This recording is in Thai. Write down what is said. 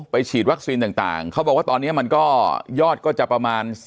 ฉีดวัคซีนต่างเขาบอกว่าตอนนี้มันก็ยอดก็จะประมาณ